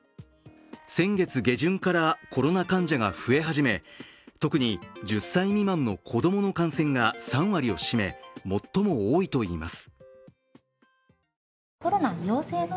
先月下旬からコロナ患者が増え始め、特に１０歳未満の子供の感染が３割を占め最も多いといいます。